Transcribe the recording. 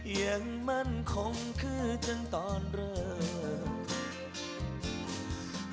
ยังมั่นคงคือจนตอนเริ่ม